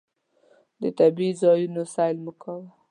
د طبعي ځایونو سیل مو کاوه.